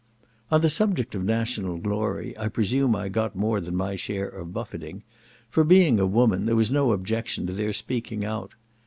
On the subject of national glory, I presume I got more than my share of buffeting; for being a woman, there was no objection to their speaking out.